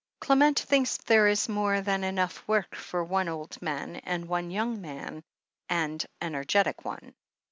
"Clement thinks there is more than enough work for one old man and one young and energetic one."